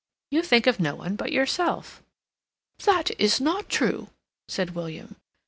"You think of no one but yourself." "That is not true," said William.